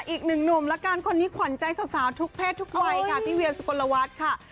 อีกหนึ่งหนุ่มละกันคนนี้ขวัญใจสาวทุกเพศทุกวัยค่ะพี่เวียสุกลวัฒน์ค่ะ